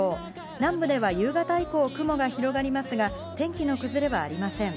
南部では夕方以降、雲が広がりますが天気の崩れはありません。